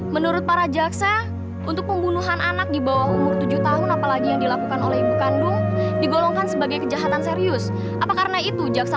mudah mudahan kalian semua diterima di sisi allah